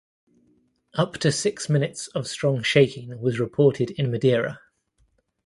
Up to six minutes of strong shaking was reported in Madeira.